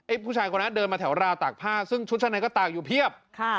ผู้ชายคนนั้นเดินมาแถวราวตากผ้าซึ่งชุดชั้นในก็ตากอยู่เพียบ